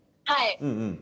「はい」